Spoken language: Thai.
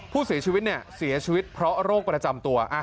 ผู้เสียชีวิตเสียชีวิตเพราะโรคประจำตัว